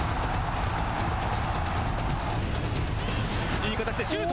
いい形でシュート！